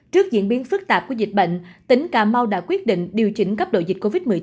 trước diễn biến phức tạp của dịch bệnh tỉnh cà mau đã quyết định điều chỉnh cấp đội dịch covid một mươi chín